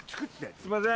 すいません。